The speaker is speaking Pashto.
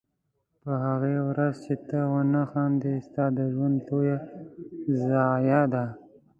په هغې ورځ چې ته ونه خاندې ستا د ژوند لویه ضایعه ده.